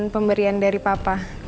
pemberian dari papa